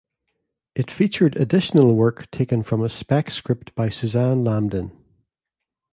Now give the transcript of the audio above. It featured additional work taken from a spec script by Susanne Lambdin.